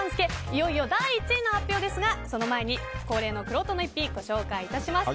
いよいよ第１位の発表ですがその前に恒例のくろうとの逸品ご紹介いたします。